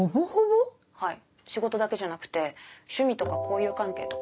はい仕事だけじゃなくて趣味とか交友関係とか。